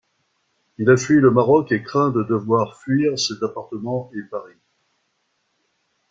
Il a fui le Maroc, et craint de devoir fuir cet appartement et Paris...